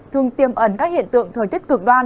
thường tiêm ẩn các hiện tượng thời tiết cực đoan